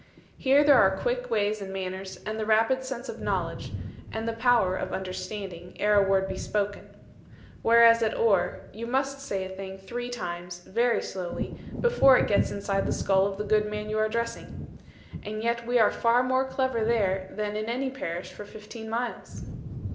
Here there are quick ways and manners, and the rapid sense of knowledge, and the power of understanding, ere a word be spoken. Whereas at Oare, you must say a thing three times, very slowly, before it gets inside the skull of the good man you are addressing. And yet we are far more clever there than in any parish for fifteen miles.